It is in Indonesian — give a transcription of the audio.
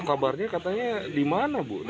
kabarnya katanya di mana bu